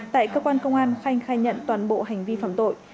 tại cơ quan công an khanh khai nhận toàn bộ hành vi phạm tội